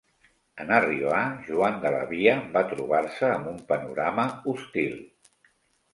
En arribar, Joan de la Via va trobar-se amb un panorama hostil.